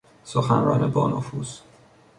سخنران با نفوذ